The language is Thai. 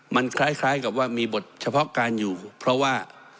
มันคล้ายกับว่ามีบทเฉพาะการอยู่เพราะว่า